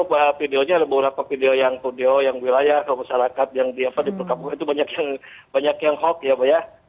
beberapa videonya ada beberapa video yang video yang wilayah ke masyarakat yang di perkabungan itu banyak yang hoax ya pak ya